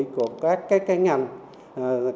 của các cái ngành